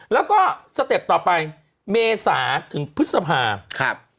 แล้วก็สเต็ปต่อไปเมษาถึงพฤษภาครับ